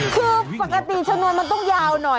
คือปกติชนวนมันต้องยาวหน่อย